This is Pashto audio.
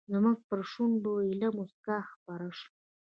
زموږ پر شونډو ایله موسکا خپره شوه.